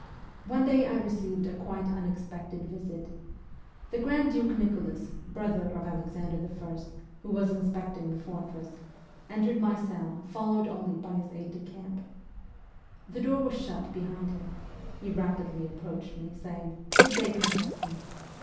One day I received a quite unexpected visit. The Grand Duke Nicholas, brother of Alexander II., who was inspecting the fortress, entered my cell, followed only by his aide de camp. The door was shut behind him. He rapidly approached me, saying, ' Good day, Kropotkin.'